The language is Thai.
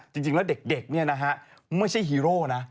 จริงแล้วเด็กไม่ใช่ฮีโร่นะ